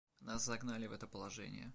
Нас загнали в это положение.